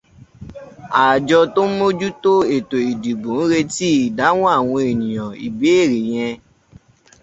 Àjọ tó ń mójú tó ètò ìdìbò ń retí ìdáhùn àwọn ènìyàn ìbéèrè yẹn.